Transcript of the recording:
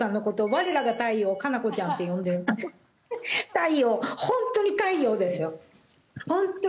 太陽、本当に太陽ですよ。